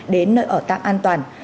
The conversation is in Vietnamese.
đến nơi ở tạm an toàn